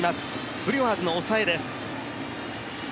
ブルワーズの抑えです。